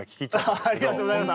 ありがとうございます。